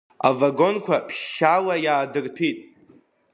Авагонқәа ԥшьшьала иаадырҭәит.